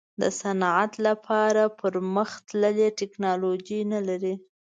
د صنعت لپاره پرمختللې ټیکنالوجي نه لري.